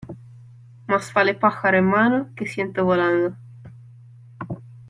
Más vale pájaro en mano, que ciento volando.